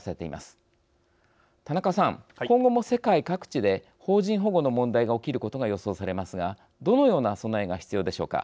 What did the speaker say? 田中さん今後も世界各地で邦人保護の問題が起きることが予想されますがどのような備えが必要でしょうか。